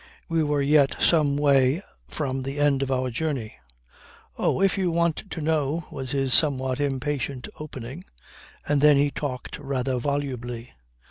We were yet some way from the end of our journey. "Oh, if you want to know," was his somewhat impatient opening. And then he talked rather volubly.